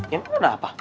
ya udah apa